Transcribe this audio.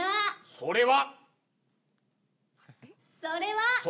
それは！